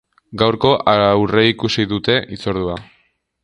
Gaurko aurreikusi dute hitzordua.